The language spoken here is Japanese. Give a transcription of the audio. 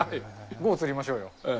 ５釣りましょうよ。